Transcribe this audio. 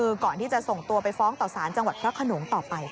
คือก่อนที่จะส่งตัวไปฟ้องต่อสารจังหวัดพระขนงต่อไปค่ะ